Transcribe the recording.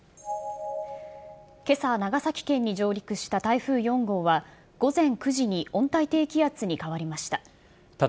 けさ、長崎県に上陸した台風４号は、午前９時に温帯低気圧に変わりました。